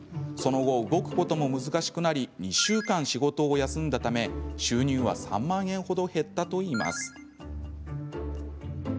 その後、動くことも難しくなり２週間仕事を休んだため収入は３万円ほど減ったといいます。